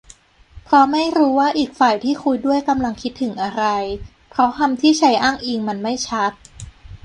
เพราะไม่รู้ว่าอีกฝ่ายที่คุยด้วยกำลังคิดถึงอะไร เพราะคำที่ใช้อ้างอิงมันไม่ชัด